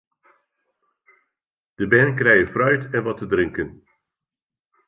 De bern krije fruit en wat te drinken.